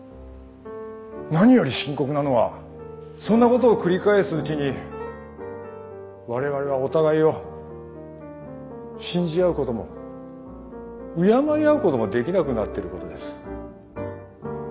何より深刻なのはそんなことを繰り返すうちに我々はお互いを信じ合うことも敬い合うこともできなくなってることです。